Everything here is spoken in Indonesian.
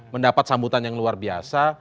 mendapat sambutan yang luar biasa